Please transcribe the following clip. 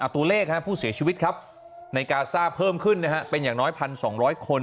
ตัวเลขผู้เสียชีวิตครับในกาซ่าเพิ่มขึ้นเป็นอย่างน้อย๑๒๐๐คน